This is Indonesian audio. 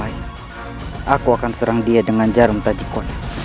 aku akan berusaha menolongmu